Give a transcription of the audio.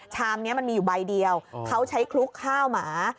ชามนี้มันมีอยู่ใบเดียวเขาใช้คลุกข้าวหมา